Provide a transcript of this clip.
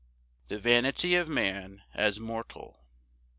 The vanity of man as mortal.